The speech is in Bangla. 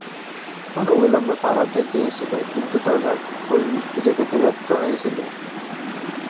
তারা অবিলম্বে পালাতে চেয়েছিল, কিন্তু দরজা খুঁজে পেতে ব্যর্থ হয়েছিল।